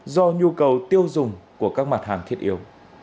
do nhu cầu tiêu dùng của các mặt hàng thiết yếu